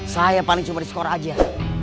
saya paling coba diskor aja